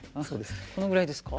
このぐらいですか？